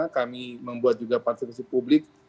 kami membuat juga partisipasi publik